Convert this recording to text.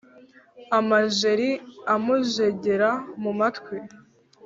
Amajeri amujegera mu matwi